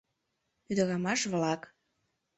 Ӱдырамаш-влак.